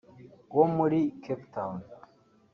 wo muri Cape Town